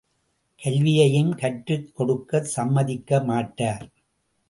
கல்வியையும் கற்றுக் கொடுக்கச் சம்மதிக்க மாட்டார்.